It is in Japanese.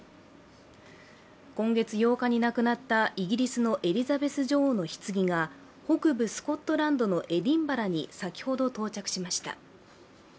今月８日に亡くなった、イギリスのエリザベス女王のひつぎが北部スコットランドのエディンバラに先ほど到着しました。